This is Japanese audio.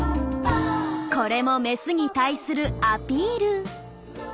これもメスに対するアピール。